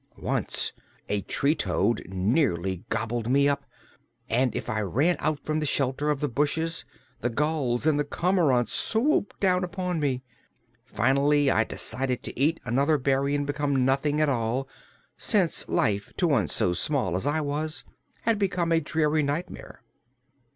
Once a tree toad nearly gobbled me up, and if I ran out from the shelter of the bushes the gulls and cormorants swooped down upon me. Finally I decided to eat another berry and become nothing at all, since life, to one as small as I was, had become a dreary nightmare.